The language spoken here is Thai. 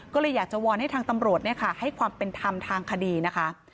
ก็เลยอยากจะวอนให้ทางตำรวจให้ความเป็นธรรมทางคดีนะคะ